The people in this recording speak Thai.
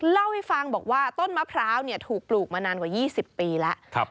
เล่าให้ฟังบอกว่าต้นมะพร้าวถูกปลูกมานานกว่า๒๐ปีแล้ว